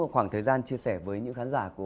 khoảng thời gian chia sẻ với những khán giả của